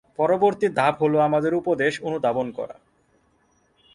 পরবর্তী ধাাপ হল আমাদের উপদেশ অনুধাবন করা।